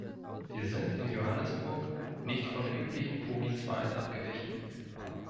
Wir sind in Johannesburg nicht von der üblichen Vorgehensweise abgewichen.